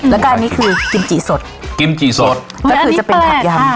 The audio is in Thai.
แล้วก็อันนี้คือกิมจี่สดกิมจี่สดก็คือจะเป็นผักยำ